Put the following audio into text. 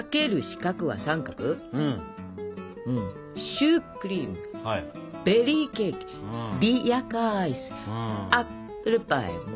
「シュークリームベリーケーキリヤカーアイスアップルパイ」。